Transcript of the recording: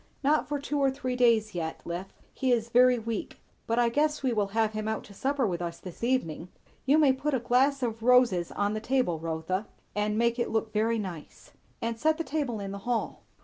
"Not for two or three days yet, Liph; he is very weak; but I guess we will have him out to supper with us this evening. You may put a glass of roses on the table, Rotha, and make it look very nice. And set the table in the hall."